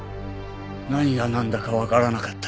何がなんだかわからなかった。